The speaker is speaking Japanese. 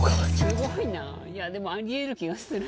すごいないやでもありえる気がする。